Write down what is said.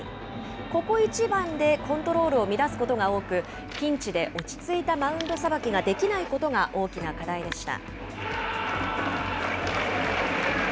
ここ一番でコントロールを乱すことが多く、ピンチで落ち着いたマウンドさばきができないことが大きな課題でした。